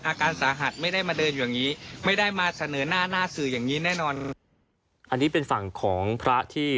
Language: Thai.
อาการสาหัสไม่ได้มาเดินอย่างนี้